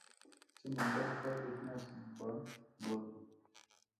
Su mentor fue Ignaz von Born.